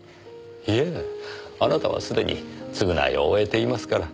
いえあなたは既に償いを終えていますから。